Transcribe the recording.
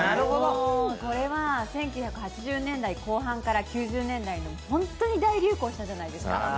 これは１９８０年代後半から９０年代に本当に大流行したじゃないですか。